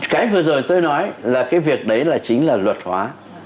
cái vừa rồi tôi nói là cái việc đấy là chính là luật hóa